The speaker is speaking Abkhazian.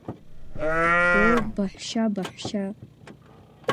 Уоо, баҳәшьа, баҳәшьаа!